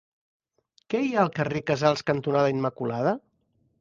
Què hi ha al carrer Casals cantonada Immaculada?